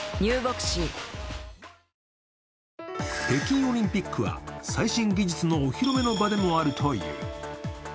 北京オリンピックは最新技術のお披露目の場でもあるという。